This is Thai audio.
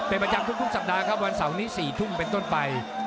เป็นประจำทุกสัปดาห์ครับวันเสาร์นี้๔ทุ่มเป็นต้นไป